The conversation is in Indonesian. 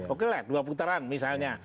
oke lah dua putaran misalnya